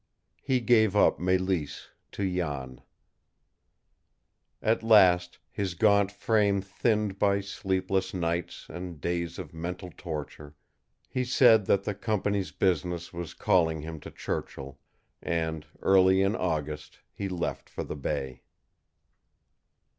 He gave up Mélisse to Jan. At last, his gaunt frame thinned by sleepless nights and days of mental torture, he said that the company's business was calling him to Churchill, and early in August he left for the bay.